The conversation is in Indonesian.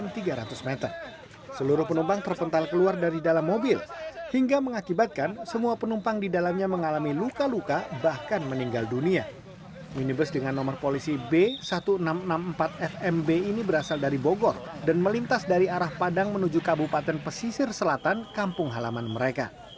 minibus dengan nomor polisi b seribu enam ratus enam puluh empat fmb ini berasal dari bogor dan melintas dari arah padang menuju kabupaten pesisir selatan kampung halaman mereka